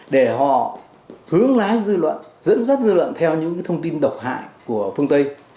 để họ hướng lái dư luận dẫn dắt dư luận theo những thông tin độc hại của phương tây